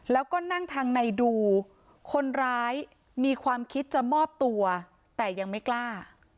แล้วก็นั่งทางในดูคนร้ายมีความคิดจะมอบตัวแต่ยังไม่กล้า